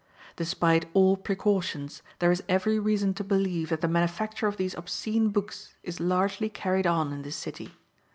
Despite all precautions, there is every reason to believe that the manufacture of these obscene books is largely carried on in this city.